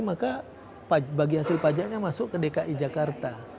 maka bagi hasil pajaknya masuk ke dki jakarta